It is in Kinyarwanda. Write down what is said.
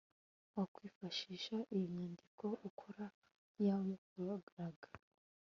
wakwifashisha iyo nyandiko, ukora iyawe yo kuraga